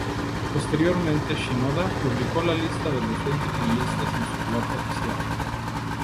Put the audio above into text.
Posteriormente Shinoda publicó la lista de los veinte finalistas en su blog oficial.